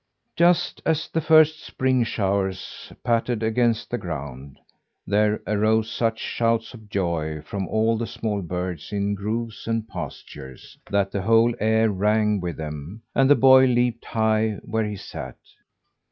Just as the first spring showers pattered against the ground, there arose such shouts of joy from all the small birds in groves and pastures, that the whole air rang with them and the boy leaped high where he sat.